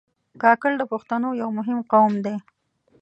کاکړ د پښتنو یو مهم قوم دی.